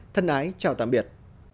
thân ái chào tạm biệt